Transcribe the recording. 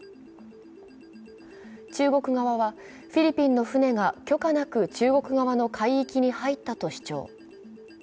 中国側はフィリピンの船が許可なく中国側の海域に入ったと主張。